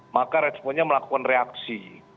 maka responnya melakukan reaksi